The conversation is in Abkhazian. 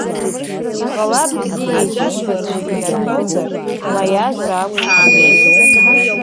Иҟалап бзиа иахьибацәо инарҳәозар, ма иажәра акәзаргьы ауеит.